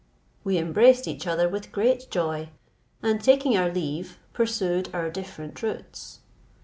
We embraced each other with great joy, and taking our leave, pursued our different routes.